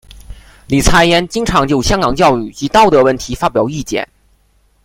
李偲嫣经常就香港教育及道德问题发表意见。